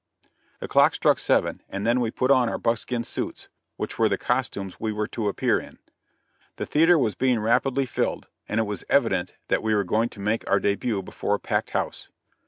The clock struck seven, and then we put on our buckskin suits, which were the costumes we were to appear in. The theater was being rapidly filled, and it was evident that we were going to make our début before a packed house.